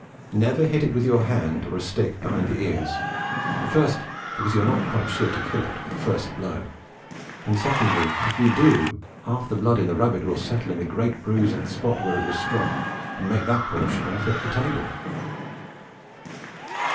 Never hit it with your hand or a stick behind the ears: first, because you are not quite sure to kill it with the first blow; and secondly, if you do, half the blood in the rabbit will settle in a great bruise at the spot where it was struck, and make that portion unfit for table.